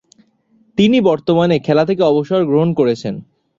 তিনি বর্তমানে খেলা থেকে অবসর গ্রহণ করেছেন।